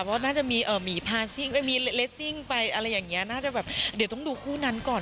เพราะว่าน่าจะมีเอ่อมีไปอะไรอย่างเงี้ยน่าจะแบบเดี๋ยวต้องดูคู่นั้นก่อน